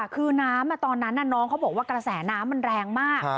คือน้ำตอนนั้นน้องเขาบอกว่ากระแสน้ำมันแรงมาก